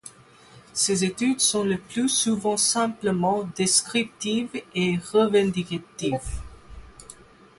Ces études sont le plus souvent simplement descriptives et revendicatives.